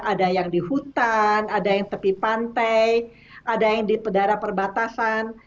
ada yang di hutan ada yang tepi pantai ada yang di pedara perbatasan